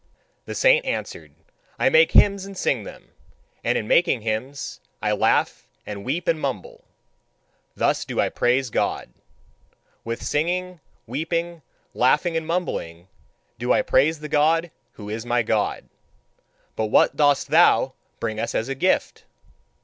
The saint answered: "I make hymns and sing them; and in making hymns I laugh and weep and mumble: thus do I praise God. With singing, weeping, laughing, and mumbling do I praise the God who is my God. But what dost thou bring us as a gift?"